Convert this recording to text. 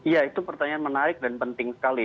ya itu pertanyaan menarik dan penting sekali